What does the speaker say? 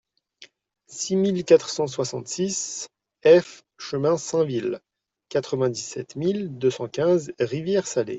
six mille quatre cent soixante-six F chemin Sainville, quatre-vingt-dix-sept mille deux cent quinze Rivière-Salée